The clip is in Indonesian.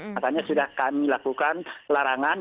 makanya sudah kami lakukan larangan